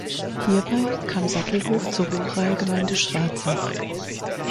Hierbei kam Sattelhof zur Ruralgemeinde Schwarzach.